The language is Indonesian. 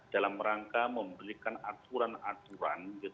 dalam rangka memberikan aturan aturan